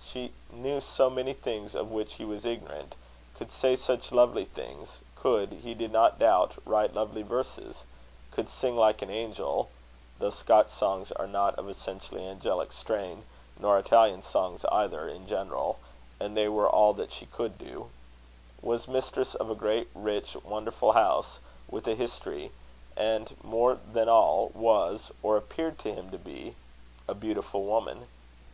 She knew so many things of which he was ignorant; could say such lovely things; could, he did not doubt, write lovely verses; could sing like an angel; (though Scotch songs are not of essentially angelic strain, nor Italian songs either, in general; and they were all that she could do); was mistress of a great rich wonderful house, with a history; and, more than all, was, or appeared to him to be a beautiful woman.